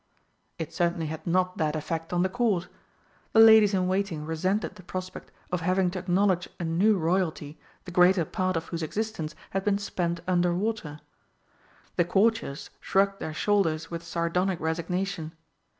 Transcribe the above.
It certainly had not that effect on the Court. The ladies in waiting resented the prospect of having to acknowledge a new Royalty the greater part of whose existence had been spent under water. The Courtiers shrugged their shoulders with sardonic resignation.